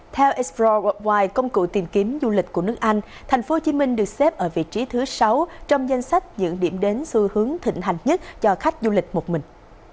theo expre ngoài công cụ tìm kiếm du lịch của nước anh tp hcm được xếp ở vị trí thứ sáu trong danh sách những điểm đến xu hướng thịnh hành nhất cho khách du lịch một mình